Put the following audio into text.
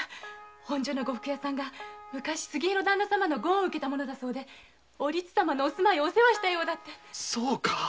本所の呉服屋さんが昔杉江の旦那様のご恩を受けた者でおりつ様の住まいをお世話したと。